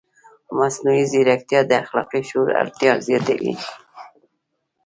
مصنوعي ځیرکتیا د اخلاقي شعور اړتیا زیاتوي.